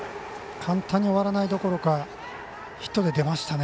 簡単に終わらないどころかヒットで出ましたね。